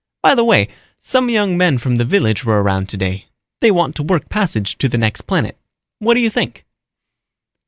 By the way, some young men from the village were around today. They want to work passage to the next planet. What do you think?"